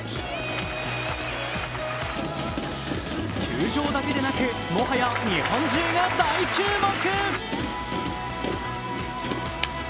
球場だけでなく、もはや日本中が大注目。